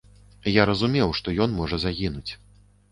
Я разумеў, што ён можа загінуць.